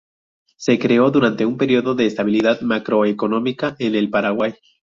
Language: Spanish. Se creó durante un periodo de estabilidad macroeconómica en el Paraguay.